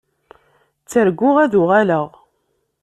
Tterguɣ ad uɣaleɣ.